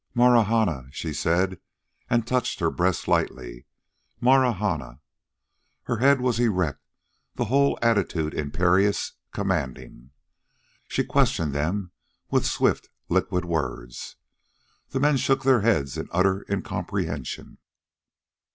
"Marahna," she said, and touched her breast lightly. "Marahna." Her head was erect, the whole attitude imperious, commanding. She questioned them with swift, liquid words. The men shook their heads in utter incomprehension.